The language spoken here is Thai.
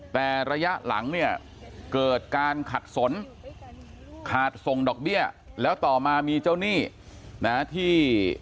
แต่ระยะหลังเนี่ยเกิดการขัดสนขาดส่งดอกเบี้ยแล้วต่อมามีเจ้าหนี้นะที่